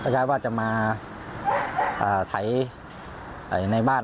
ครับ